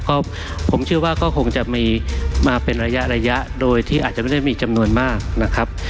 ก็ผมเชื่อว่าก็คงจะมีมาเป็นระยะระยะโดยที่อาจจะไม่ได้มีจำนวนมากนะครับ